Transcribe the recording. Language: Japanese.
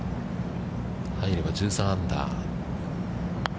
入れば、１３アンダー。